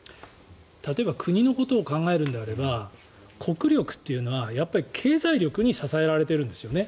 例えば国のことを考えるのであれば国力というのは経済力に支えられているんですよね。